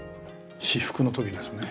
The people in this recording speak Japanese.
至福の時ですね。